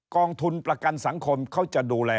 กองทุนประกันสังคมเขาจะดูแล